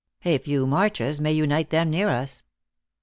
A few marches may unite them near us."